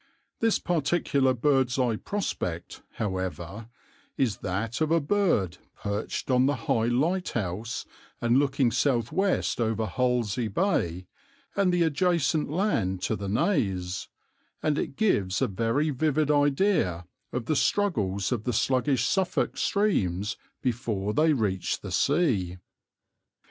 This particular bird's eye prospect, however, is that of a bird perched on the high lighthouse and looking south west over Hollesley Bay and the adjacent land to the Naze, and it gives a very vivid idea of the struggles of the sluggish Suffolk streams before they reach the sea.